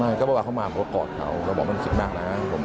ไม่ก็ว่าเขามาก็กอดเขาแล้วบอกว่ามันสิ่งมากนะครับ